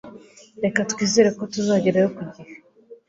Reka twizere ko tuzagerayo ku gihe.